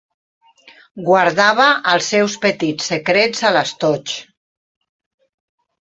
Guardava els seus petits secrets a l'estoig.